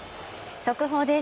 速報です。